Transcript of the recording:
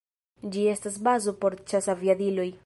Ĝi estas bazo por ĉasaviadiloj.